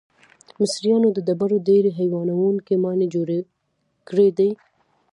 مصریانو د ډبرو ډیرې حیرانوونکې ماڼۍ جوړې کړې دي.